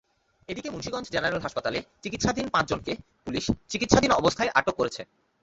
এদিকে মুন্সিগঞ্জ জেনারেল হাসপাতালে চিকিৎসাধীন পাঁচজনকে পুলিশ চিকিৎসাধীন অবস্থায় আটক করেছে।